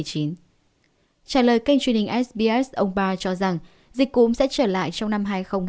trả lời kênh truyền hình sbs ông bar cho rằng dịch cúm sẽ trở lại trong năm hai nghìn hai mươi